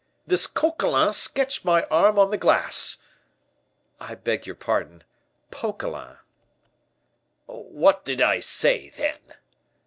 "This Coquelin sketched my arm on the glass." "I beg your pardon Poquelin." "What did I say, then?"